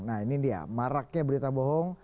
nah ini dia maraknya berita bohong